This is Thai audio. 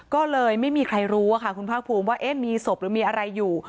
ก็เลยไม่มีใครรู้ค่ะคุณภาคภูมิว่ามีศพหรือมีอะไรอยู่